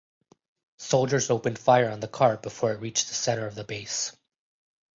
Soldiers opened fire on the car before it reached the center of the base.